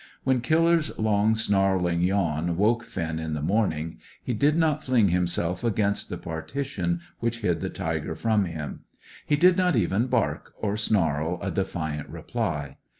When Killer's long, snarling yawn woke Finn in the morning he did not fling himself against the partition which hid the tiger from him. He did not even bark or snarl a defiant reply.